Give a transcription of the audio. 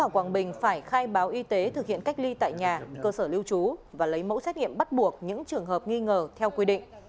quảng bình phải khai báo y tế thực hiện cách ly tại nhà cơ sở lưu trú và lấy mẫu xét nghiệm bắt buộc những trường hợp nghi ngờ theo quy định